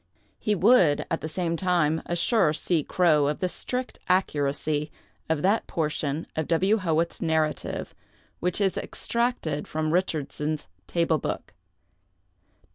He would, at the same time, assure C. Crowe of the strict accuracy of that portion of W. Howitt's narrative which is extracted from 'Richardson's Table Book.